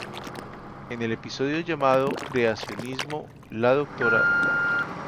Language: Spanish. En el episodio llamado "Creacionismo" la Dra.